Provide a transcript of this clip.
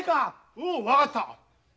おう分かった！